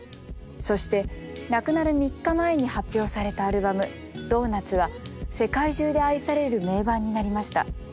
そして亡くなる３日前に発表されたアルバム「ＤＯＮＵＴＳ」は世界中で愛される名盤になりました。